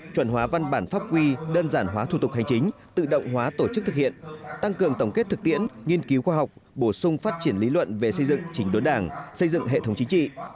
chuẩn hóa văn bản pháp quy đơn giản hóa thủ tục hành chính tự động hóa tổ chức thực hiện tăng cường tổng kết thực tiễn nghiên cứu khoa học bổ sung phát triển lý luận về xây dựng chỉnh đốn đảng xây dựng hệ thống chính trị